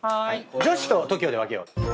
女子とＴＯＫＩＯで分けよう。